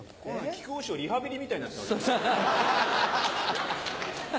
木久扇師匠リハビリみたいになってます。